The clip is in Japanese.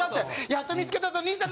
やっと見付けたぞ！